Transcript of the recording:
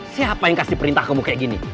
siapa yang kasih perintah kamu kayak gini